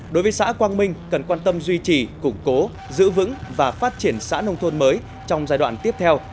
đối với xã quang minh cần quan tâm duy trì củng cố giữ vững và phát triển xã nông thôn mới trong giai đoạn tiếp theo